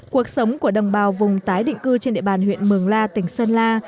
cuộc sống của đồng bào vùng tái định cư trên địa bàn huyện mường la tỉnh sơn la